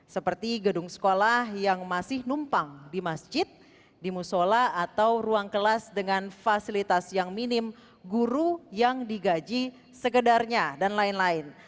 seperti gedung sekolah yang masih numpang di masjid di musola atau ruang kelas dengan fasilitas yang minim guru yang digaji sekedarnya dan lain lain